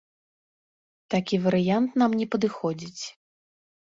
Такі варыянт нам не падыходзіць!